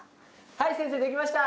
はい先生できました！